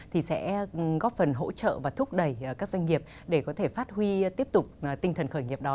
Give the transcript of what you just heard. thì sẽ góp phần hỗ trợ và thúc đẩy các doanh nghiệp để có thể phát huy tiếp tục tinh thần khởi nghiệp đó